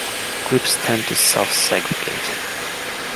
Groups tend to self-segregate.